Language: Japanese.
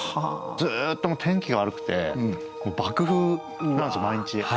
ずっと天気が悪くて爆風なんですよ毎日。